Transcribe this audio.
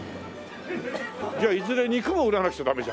じゃあいずれ肉も売らなくちゃダメじゃない。